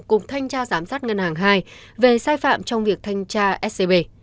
cục thanh tra giám sát ngân hàng hai về sai phạm trong việc thanh tra scb